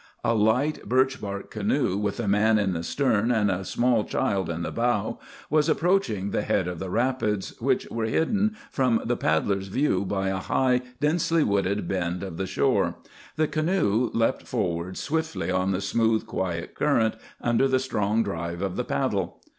A light birch bark canoe, with a man in the stern and a small child in the bow, was approaching the head of the rapids, which were hidden from the paddler's view by a high, densely wooded bend of the shore. The canoe leapt forward swiftly on the smooth, quiet current, under the strong drive of the paddle.